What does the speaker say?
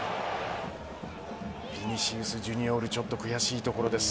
ヴィニシウス・ジュニオールちょっと悔しいところです。